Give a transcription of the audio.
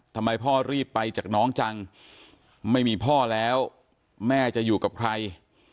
ทำไมพ่อรีบไปจากน้องจังไม่มีพ่อแล้วแม่จะอยู่กับใคร